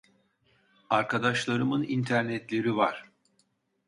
Arkadaşlarımın internetleri var